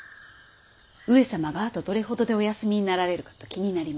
上様があとどれほどでお休みになられるかと気になりまして。